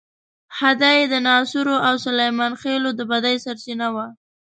خدۍ د ناصرو او سلیمان خېلو د بدۍ سرچینه وه.